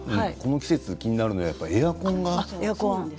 この季節気になるのがエアコンです。